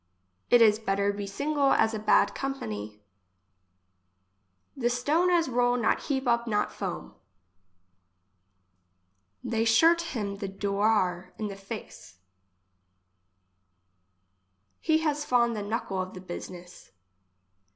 It is better be single as a bad company. The stone as roll not heap up not foam. They shurt him the doar in face. He has fond the knuckle of the business.